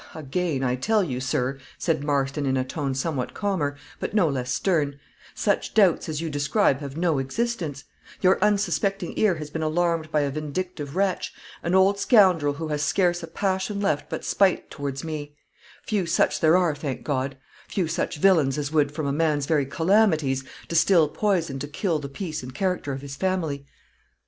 "Again, I tell you, sir," said Marston, in a tone somewhat calmer, but no less stern, "such doubts as you describe have no existence; your unsuspecting ear has been alarmed by a vindictive wretch, an old scoundrel who has scarce a passion left but spite towards me; few such there are, thank God; few such villains as would, from a man's very calamities, distil poison to kill the peace and character of his family."